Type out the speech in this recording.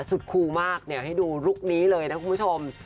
สุดคูลมากเนี่ยให้ดูลูกนี้เลยนะคุณผู้ชม